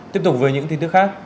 tiếp tục với những tin tức khác